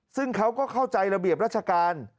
ซึ่งเขาก็เข้าใจระเบียบราชการ